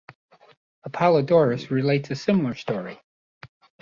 Apollodorus relates a similar story.